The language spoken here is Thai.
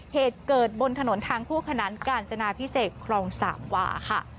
เหตุเกิดบนถนนทางคู่ขนานกาญจนาพิเศษครองสามวาค่ะ